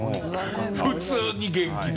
普通に元気で。